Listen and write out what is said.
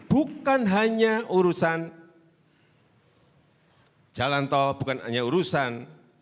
bukan hanya urusan jalan tol bukan hanya urusan